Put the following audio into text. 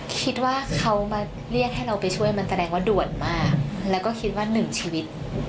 คิดว่าเขามาเรียกให้เราไปช่วยมันแสดงว่าด่วนมากแล้วก็คิดว่าหนึ่งชีวิต